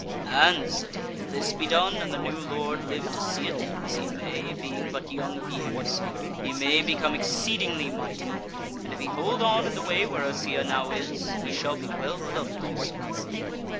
"And," said he, "if this be done, and the new lord live to see it, as he may, being but young of years, he may become exceedingly mighty, and if he hold on in the way whereas he now is, he shall be well beloved also."